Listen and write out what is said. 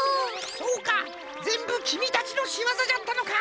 そうかぜんぶきみたちのしわざじゃったのか。